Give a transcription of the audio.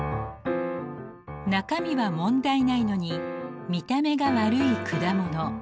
中身は問題ないのに見た目が悪い果物。